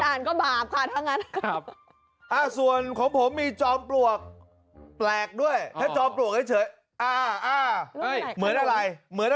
หมดอ่านก็บาปค่ะทั้งนั้นครับอ่าส่วนของผมมีจอมปลวกแปลกด้วย